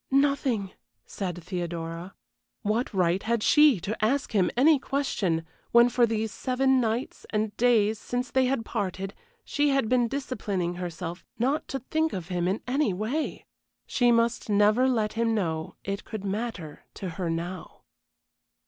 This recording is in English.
"Nothing," said Theodora. What right had she to ask him any question, when for these seven nights and days since they had parted she had been disciplining herself not to think of him in any way? She must never let him know it could matter to her now.